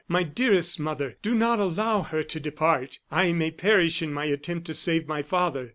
my dearest mother, do not allow her to depart. I may perish in my attempt to save my father.